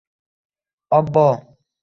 Obbo!